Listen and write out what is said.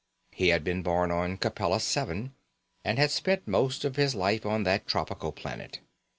He had been born on Capella VII, and had spent most of his life on that tropical planet.